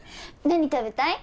何食べたい？